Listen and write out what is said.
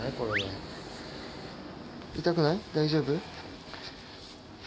大丈夫？